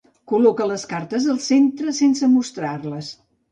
Col·loca les cartes el centre sense mostrar-les.